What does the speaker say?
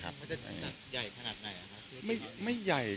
ของขวัญรับปริญญา